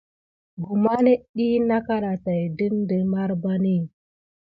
Guma net dik na kaɗa tät didine marbani.